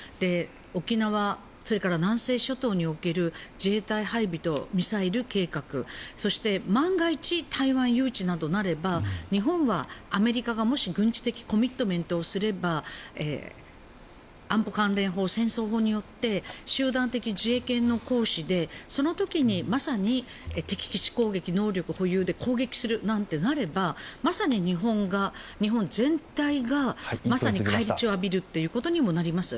沖縄、それから南西諸島における自衛隊配備とミサイル計画そして、万が一台湾有事などがあれば日本はアメリカが、もし軍事的コミットメントをすれば安保関連法、戦争法によって集団的自衛権の行使でその時にまさに敵基地攻撃能力保有で攻撃するなんてなればまさに日本が、日本全体がまさに返り血を浴びるということにもなります。